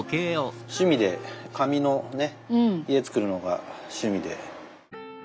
趣味で紙の家作るのが趣味で。